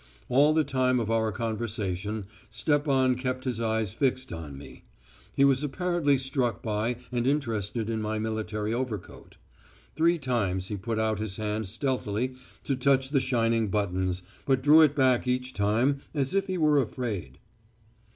All the time of our conversation Stepan kept his eyes fixed on me. He was apparently struck by and interested in my military overcoat. Three times he put out his hand stealthily to touch the shining buttons, but drew it back each time as if he were afraid.